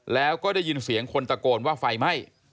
แล้วก็ได้ยินเสียงคนตะโกนว่าไฟไหม้